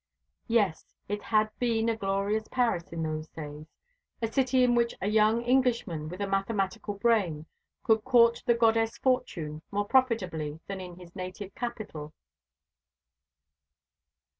Yes, it had been a glorious Paris in those days, a city in which a young Englishman with a mathematical brain could court the goddess Fortune more profitably than in his native capital.